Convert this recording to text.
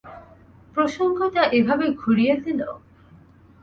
প্রসঙ্গটা এভাবে ঘুরিয়ে দিলো।